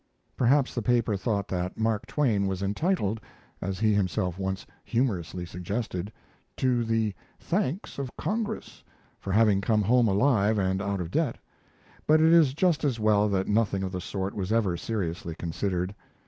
Perhaps the paper thought that Mark Twain was entitled as he himself once humorously suggested to the "thanks of Congress" for having come home alive and out of debt, but it is just as well that nothing of the sort was ever seriously considered.